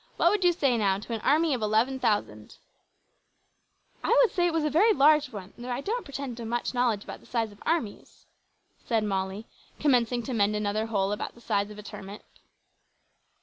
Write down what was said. What would you say, now, to an army of eleven thousand men?" "I would say it was a very large one, though I don't pretend to much knowledge about the size of armies," said Molly, commencing to mend another hole about the size of a turnip.